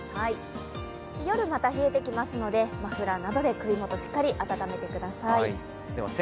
夜また冷えてきますのでマフラーなどで首元しっかり温めてください。